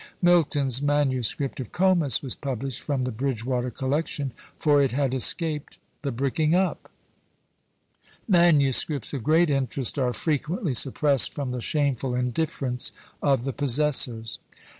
Milton's manuscript of Comus was published from the Bridgewater collection, for it had escaped the bricking up! Manuscripts of great interest are frequently suppressed from the shameful indifference of the possessors. Mr.